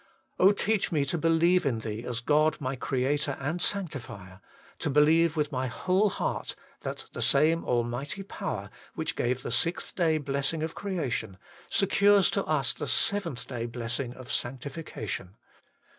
Oh, teach me to believe in Thee as God my Creator and Sanctifier, to believe with my whole heart that the same Almighty power which gave the sixth day blessing of creation, secures to us the seventh day blessing of sanctifica tion.